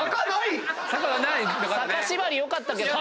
坂縛りよかったけどね。